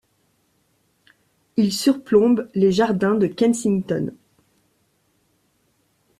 Il surplombe les jardins de Kensington.